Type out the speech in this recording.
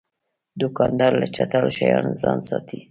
دوکاندار له چټلو شیانو ځان ساتي.